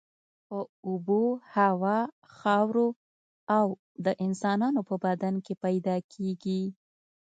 په اوبو، هوا، خاورو او د انسانانو په بدن کې پیدا کیږي.